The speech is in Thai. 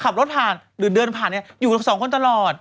ขับรถผ่านหรือเดินผ่านเนี่ยอยู่กับสองคนตลอด